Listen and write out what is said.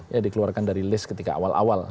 ya dikeluarkan dari list ketika awal awal